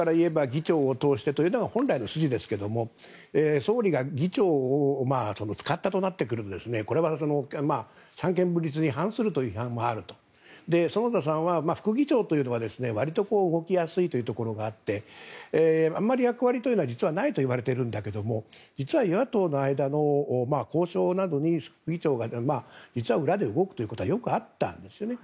議長を通してというのが本来の筋ですけども副議長を使ったとなってくるとこれは、三権分立に反する違反もあると園田さん、副議長というのは割と動きやすいところがあってあまり役割は実はないといわれてるんだけども実は与野党の間の交渉などに副議長が実は裏で動くということはよくあったんですね。